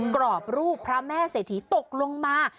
กรอบรูปพระแม่เศรษฐีตกลงมา